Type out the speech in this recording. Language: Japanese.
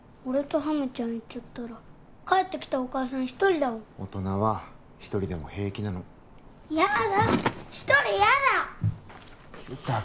俺とハムちゃん行っちゃったら帰ってきたお母さん一人だもん大人は一人でも平気なのやーだっ